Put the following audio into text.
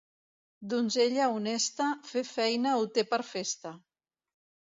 Donzella honesta, fer feina ho té per festa.